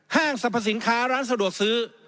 ห้างสรรพสินค้าร้านสะดวกซื้อ